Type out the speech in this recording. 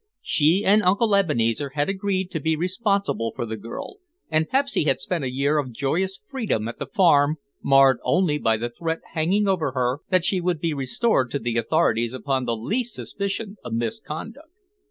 She and Uncle Ebenezer had agreed to be responsible for the girl, and Pepsy had spent a year of joyous freedom at the farm marred only by the threat hanging over her that she would be restored to the authorities upon the least suspicion of misconduct.